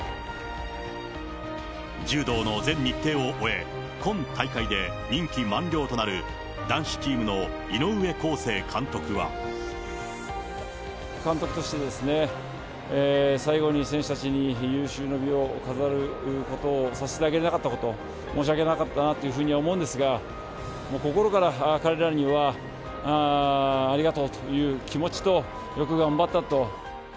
柔道の全日程を終え、今大会で任期満了となる、監督としてですね、最後に選手たちに有終の美を飾ることをさせてあげれなかったこと、申し訳なかったなというふうに思うんですが、もう心から彼らにはありがとうという気持ちと、よく頑張ったと。